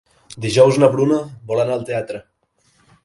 Dijous na Bruna vol anar al teatre.